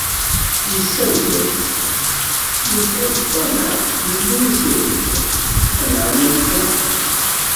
Yessawel-as, yeffeɣ-d ṭṭameε, yenna-as i wuḥdiq: “Anεam a lğar."